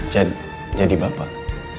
jadi jadi bapak